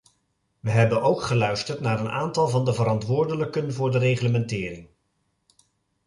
We hebben ook geluisterd naar een aantal van de verantwoordelijken voor de reglementering.